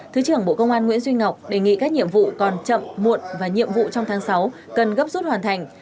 thứ trưởng bộ công an nguyễn duy ngọc đề nghị các nhiệm vụ còn chậm muộn và nhiệm vụ trong tháng sáu cần gấp rút hoàn thành